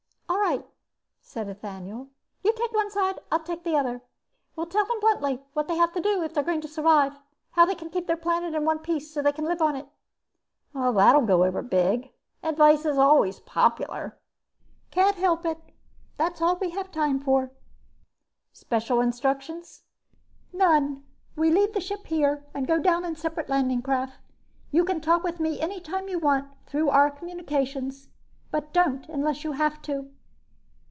"All right," said Ethaniel. "You take one side and I the other. We'll tell them bluntly what they'll have to do if they're going to survive, how they can keep their planet in one piece so they can live on it." "That'll go over big. Advice is always popular." "Can't help it. That's all we have time for." "Special instructions?" "None. We leave the ship here and go down in separate landing craft. You can talk with me any time you want to through our communications, but don't unless you have to."